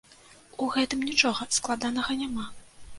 У гэтым нічога складанага няма.